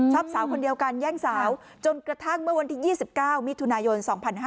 สาวคนเดียวกันแย่งสาวจนกระทั่งเมื่อวันที่๒๙มิถุนายน๒๕๕๙